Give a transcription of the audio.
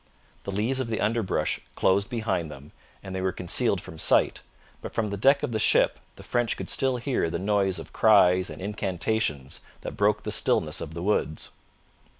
The leaves of the underbrush closed behind them and they were concealed from sight, but from the deck of the ship the French could still hear the noise of cries and incantations that broke the stillness of the woods.